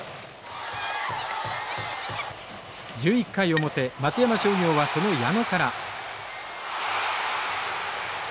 １１回表松山商業はその矢野から。